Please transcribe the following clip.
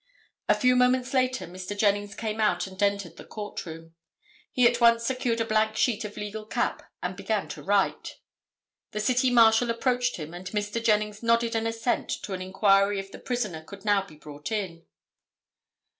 A few moments later Mr. Jennings came out and entered the court room. He at once secured a blank sheet of legal cap and began to write. The City Marshal approached him, and Mr. Jennings nodded an assent to an inquiry if the prisoner could now be brought in.